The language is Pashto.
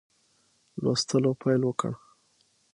لوستلو پیل وکړ.